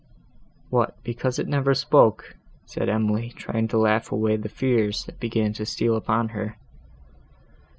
"What, because it never spoke?" said Emily, trying to laugh away the fears that began to steal upon her.